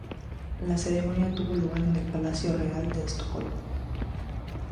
La ceremonia tuvo lugar en el Palacio Real de Estocolmo.